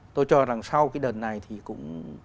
tôi cho rằng sau cái đợt này thì cũng